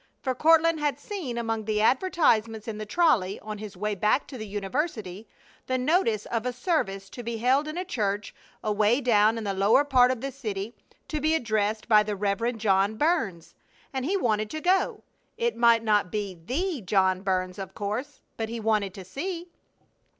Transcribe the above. For Courtland had seen among the advertisements in the trolley on his way back to the university, the notice of a service to be held in a church away down in the lower part of the city, to be addressed by the Rev. John Burns, and he wanted to go. It might not be the John Burns of course, but he wanted to see.